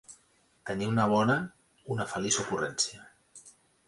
Tenir una bona, una feliç ocurrència.